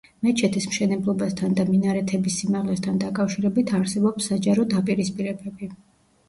მეჩეთის მშენებლობასთან და მინარეთების სიმაღლესთან დაკავშირებით არსებობს საჯარო დაპირისპირებები.